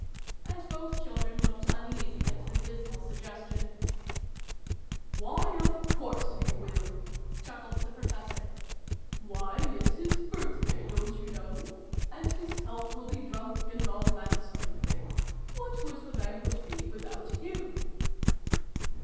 And both children looked uneasy at the dismal suggestion. 312 SYLVIE AND BRUNO CONCLUDED. " Why, of course he will !" chuckled the Pro fessor. " Why, it's his birthday, don't you know ? And his health will be drunk, and all that sort of thing. What would the Banquet be without him